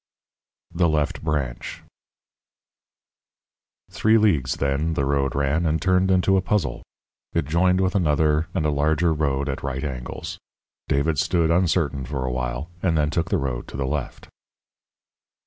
THE LEFT BRANCH _Three leagues, then, the road ran, and turned into a puzzle. It joined with another and a larger road at right angles. David stood, uncertain, for a while, and then took the road to the left.